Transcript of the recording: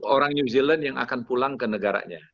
orang new zealand yang akan pulang ke negaranya